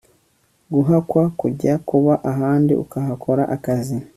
guhakwa kujya kuba ahandi ukahakora akazi